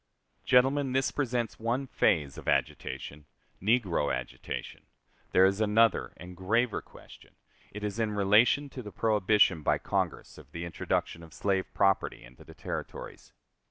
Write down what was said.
Gentlemen, this presents one phase of agitation negro agitation: there is another and graver question, it is in relation to the prohibition by Congress of the introduction of slave property into the Territories.